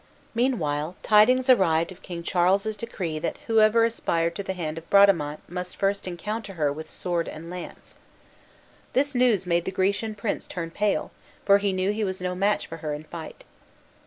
Meanwhile, tidings arrived of King Charles' decree that whoever aspired to the hand of Bradamante must first encounter her with sword and lance. This news made the Grecian prince turn pale, for he knew he was no match for her in fight.